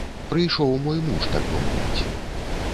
Прыйшоў мой муж, так бы мовіць.